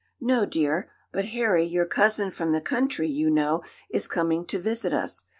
"No, dear, but Harry, your cousin from the country, you know, is coming to visit us.